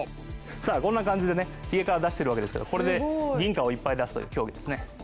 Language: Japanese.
さあこんな感じでねヒゲから出してるわけですけどこれで銀貨をいっぱい出すという競技ですね。